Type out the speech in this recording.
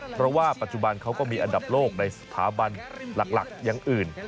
เพราะว่าปัจจุบันเขาก็มีอันดับโลกในสถาบันหลักอย่างอื่น